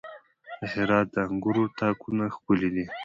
د هرات د انګورو تاکونه ښکلي دي.